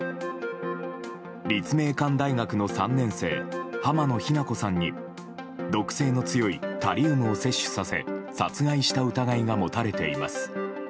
立命館大学の３年生浜野日菜子さんに毒性の強いタリウムを摂取させ殺害した疑いが持たれています。